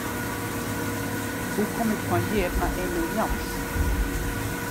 Hoe kom ik fan hjir nei Emiel Jans?